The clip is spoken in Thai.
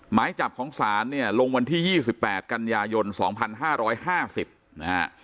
หมายจับของศาลเนี่ยลงวันที่๒๘กันยายน๒๕๕๐นะฮะ